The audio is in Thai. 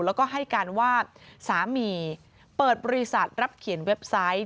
แล้วก็ให้การว่าสามีเปิดบริษัทรับเขียนเว็บไซต์